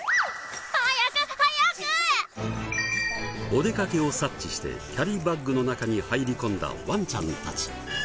お出かけを察知してキャリーバッグの中に入り込んだワンちゃんたち。